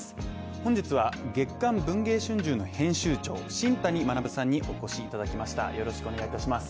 本日は、月刊「文藝春秋」の編集長新谷学さんにお越しいただきました。